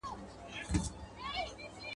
آیا چورلکه تر الوتکي ورو ځي؟